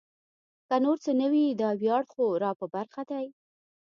که نور څه نه وي دا ویاړ خو را په برخه دی.